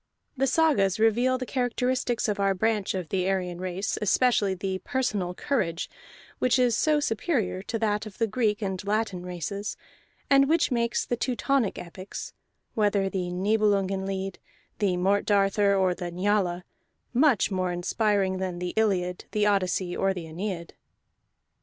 The sagas reveal the characteristics of our branch of the Aryan race, especially the personal courage which is so superior to that of the Greek and Latin races, and which makes the Teutonic epics (whether the Niebelungen Lied, the Morte Darthur, or the Njala) much more inspiring than the Iliad, the Odyssey, or the Aeneid.